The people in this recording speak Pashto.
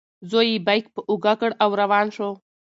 زوی یې بیک په اوږه کړ او روان شو.